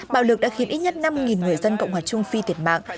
bạo lực đã khiến ít nhất năm người dân cộng hòa trung phi thiệt mạng